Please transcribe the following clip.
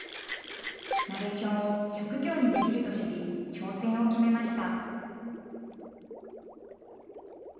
ナレーションを職業にできると知り、挑戦を決めました。